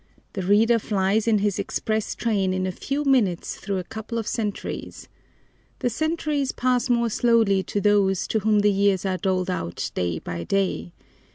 The reader flies in his express train in a few minutes through a couple of centuries. The centuries pass more slowly to those to whom the years are doled out day by day.